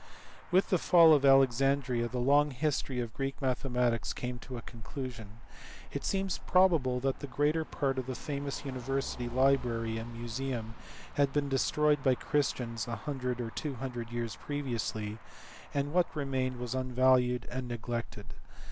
With the fall of Alexandria the long history of Greek mathematics came to a conclusion. It seems probable that the greater part of the famous university library and museum had been destroyed by the Christians a hundred or two hundred years previously, and what remained was unvalued and neg lected.